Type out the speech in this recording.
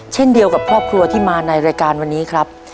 เช่นเดียวกับครอบครัวที่มาในรายการวันนี้ครับ